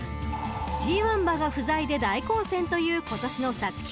［ＧⅠ馬が不在で大混戦という今年の皐月賞］